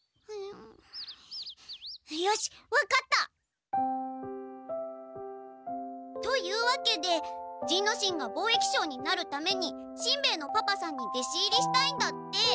よしわかった！というわけで仁之進が貿易商になるためにしんべヱのパパさんに弟子入りしたいんだって。